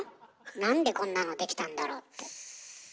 なんでこんなのできたんだろうって。